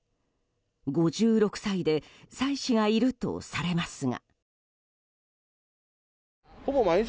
５６歳で妻子がいるとされますが。